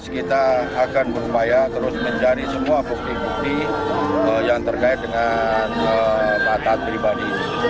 kita akan berupaya terus mencari semua bukti bukti yang terkait dengan taat pribadi